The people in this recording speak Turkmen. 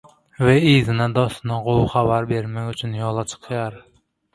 we yzyna dostuna gowy habar bermek üçin ýola çykýar.